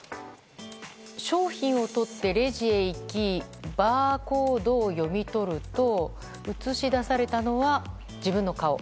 商品を取ってレジに行きバーコードを読み取ると映し出されたのは自分の顔。